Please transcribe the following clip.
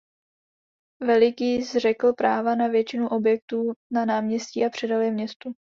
Veliký zřekl práva na většinu objektů na náměstí a předal je městu.